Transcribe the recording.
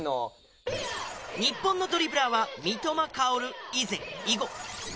日本のドリブラーは三笘薫以前以後。